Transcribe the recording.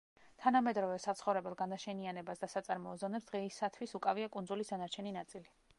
თანამედროვე საცხოვრებელ განაშენიანებას და საწარმოო ზონებს დღეისათვის უკავია კუნძულის დანარჩენი ნაწილი.